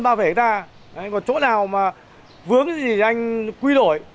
bao vẻ ra còn chỗ nào mà vướng gì anh quy đổi